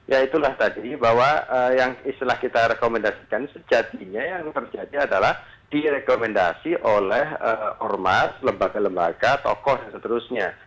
ya itulah tadi bahwa yang istilah kita rekomendasikan sejatinya yang terjadi adalah direkomendasi oleh ormas lembaga lembaga tokoh dan seterusnya